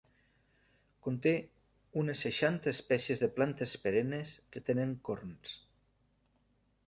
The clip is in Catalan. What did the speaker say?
Conté unes seixanta espècies de plantes perennes que tenen corms.